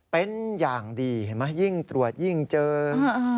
เป็นอย่างดีเห็นไหมยิ่งตรวจยิ่งเจอ